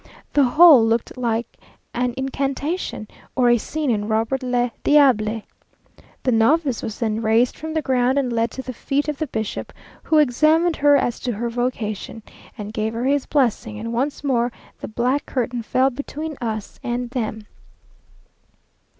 The whole looked like an incantation, or a scene in Robert le Díable. The novice was then raised from the ground and led to the feet of the bishop, who examined her as to her vocation, and gave her his blessing, and once more the black curtain fell between us and them.